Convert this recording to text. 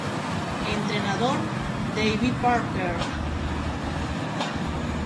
Entrenador: David Parker